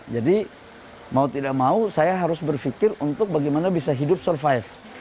jadi mau tidak mau saya harus berfikir untuk bagaimana bisa hidup survive